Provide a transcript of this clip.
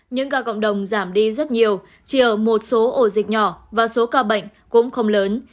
những ca cộng đồng giảm đi rất nhiều chỉ ở một số ổ dịch nhỏ và số ca bệnh cũng không lớn